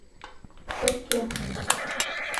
Шопке